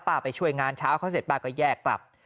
ไปช่วยงานเช้าเขาเสร็จป้าก็แยกกลับ